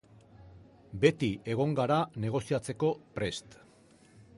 Beti egon gara negoziatzeko prest.